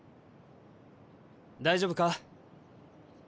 大丈夫か？